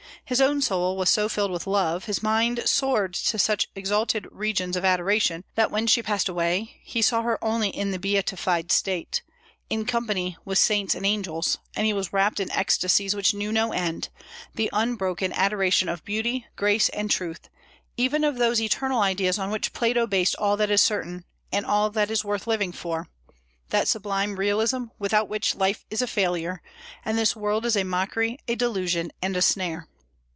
His own soul was so filled with love, his mind soared to such exalted regions of adoration, that when she passed away he saw her only in the beatified state, in company with saints and angels; and he was wrapped in ecstasies which knew no end, the unbroken adoration of beauty, grace, and truth, even of those eternal ideas on which Plato based all that is certain, and all that is worth living for; that sublime realism without which life is a failure, and this world is "a mockery, a delusion, and a snare."